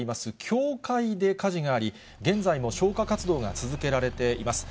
教会で火事があり、現在も消火活動が続けられています。